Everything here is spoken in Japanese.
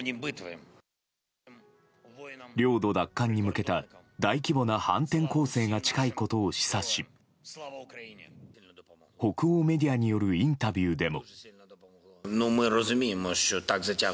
領土奪還に向けた大規模な反転攻勢が近いことを示唆し北欧メディアによるインタビューでも。